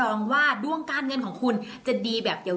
ส่งผลทำให้ดวงชาวราศีมีนดีแบบสุดเลยนะคะ